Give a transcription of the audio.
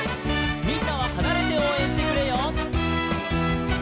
「みんなははなれておうえんしてくれよ」